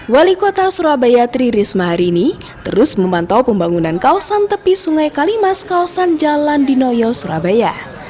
wali kota surabaya tri risma hari ini terus memantau pembangunan kawasan tepi sungai kalimas kawasan jalan dinoyo surabaya